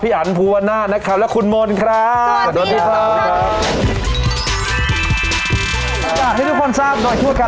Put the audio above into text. สวัสดีครับสวัสดีครับสวัสดีครับสวัสดีครับสวัสดีครับสวัสดีครับสวัสดีครับ